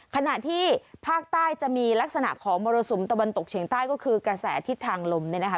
ขณะที่ภาคใต้จะมีลักษณะของมรสุมตะวันตกเฉียงใต้ก็คือกระแสทิศทางลมเนี่ยนะคะ